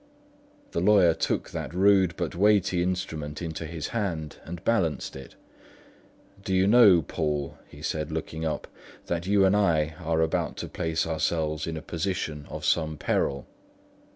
The lawyer took that rude but weighty instrument into his hand, and balanced it. "Do you know, Poole," he said, looking up, "that you and I are about to place ourselves in a position of some peril?"